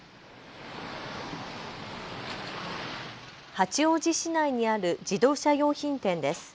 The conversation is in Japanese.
八王子市内にある自動車用品店です。